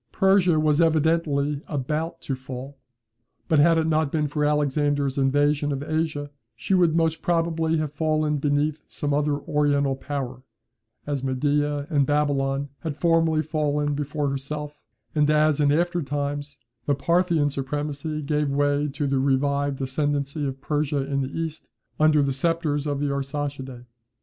Persia was evidently about to fall; but, had it not been for Alexander's invasion of Asia, she would most probably have fallen beneath some other Oriental power, as Media and Babylon had formerly fallen before herself, and as, in after times, the Parthian supremacy gave way to the revived ascendancy of Persia in the East, under the sceptres of the Arsacidae.